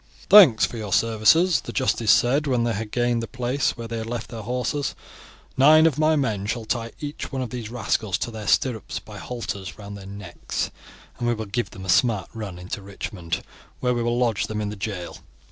"Thanks for your services," the justice said when they had gained the place where they had left their horses. "Nine of my men shall tie each one of these rascals to their stirrups by halters round their necks, and we will give them a smart run into Richmond, where we will lodge them in the jail.